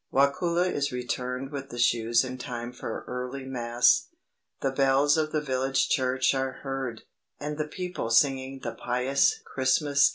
Wakula is returned with the shoes in time for early mass. The bells of the village church are heard, and the people singing the pious Christmas canticle."